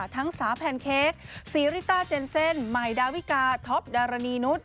ทั้งสาวแพนเค้กซีริต้าเจนเซ่นใหม่ดาวิกาท็อปดารณีนุษย